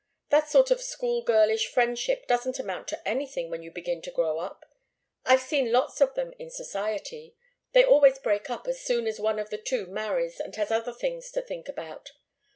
That sort of school girlish friendship doesn't amount to anything when you begin to grow up. I've seen lots of them in society. They always break up as soon as one of the two marries and has other things to think about.